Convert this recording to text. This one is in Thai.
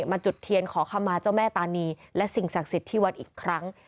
จุดเทียนขอคำมาเจ้าแม่ตานีและสิ่งศักดิ์สิทธิ์ที่วัดอีกครั้ง